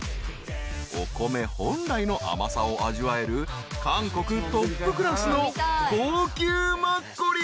［お米本来の甘さを味わえる韓国トップクラスの高級マッコリ］